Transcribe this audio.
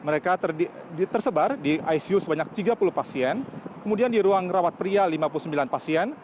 mereka tersebar di icu sebanyak tiga puluh pasien kemudian di ruang rawat pria lima puluh sembilan pasien